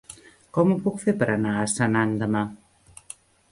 Com ho puc fer per anar a Senan demà?